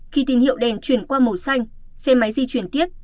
khi tín hiệu đèn chuyển qua màu xanh xe máy di chuyển tiếp